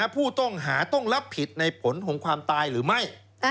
ผู้ต้องหาต้องรับผิดในผลของความตายหรือไม่